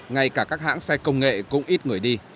ngay cả các hãng xe công nghệ cũng ít người đi